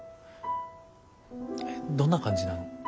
どんな感じなの？